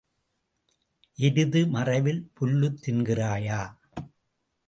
எருது மறைவில் புல்லுத் தின்கிறாயா?